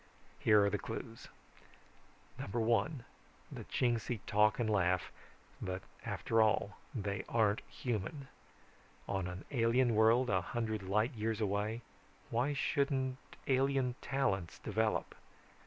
Here are the clues: (1) The Chingsi talk and laugh but after all they aren't human. On an alien world a hundred light years away, why shouldn't alien talents develop?